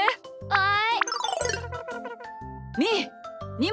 はい！